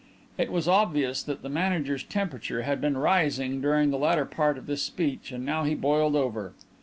It was obvious that the manager's temperature had been rising during the latter part of this speech and now he boiled over.